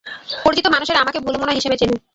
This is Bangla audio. পরিচিত মানুষেরা আমাকে ভুলোমনা হিসেবে চেনে।